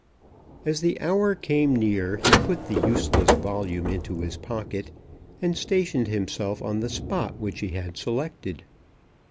As the hour came near, he put the useless volume into his pocket, and stationed himself on the spot which he had selected.